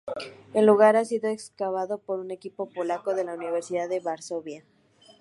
El lugar ha sido excavado por un equipo polaco de la Universidad de Varsovia.